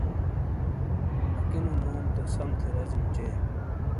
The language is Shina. اکینو نوم تو سمتھے رزیوں چے تو۔